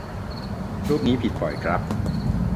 รูปนี้ผิดบ่อยครับ